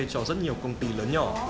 cho rất nhiều công ty lớn nhỏ